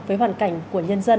với hoàn cảnh của nhân dân